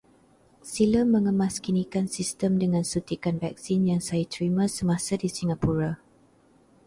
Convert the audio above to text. Sila mengemaskinikan sistem dengan suntikan vaksin yang saya terima semasa di Singapura.